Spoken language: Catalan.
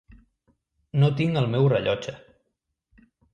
No tinc el meu rellotge.